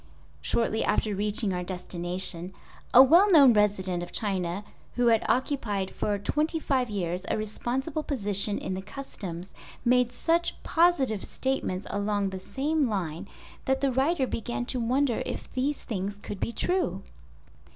Shortly after reaching our destination a well known resident of China, who had occupied for twenty five years a responsible position in the "Customs" made such positive statements along the same line that the writer began to wonder if these things could be true.